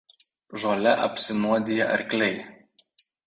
Žole apsinuodija arkliai.